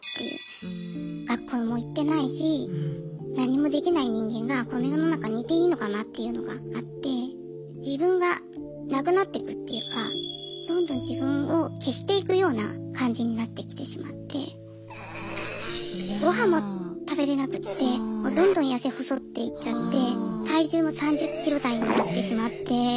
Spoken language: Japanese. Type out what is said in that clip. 学校も行ってないし何もできない人間がこの世の中にいていいのかなっていうのがあって自分がなくなっていくっていうかどんどん自分を消していくような感じになってきてしまってごはんも食べれなくってどんどん痩せ細っていっちゃって体重も３０ｋｇ台になってしまって。